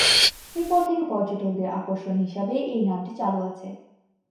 এর পর থেকে পর্যটকদের আকর্ষণ হিসাবে এই নামটি চালু আছে।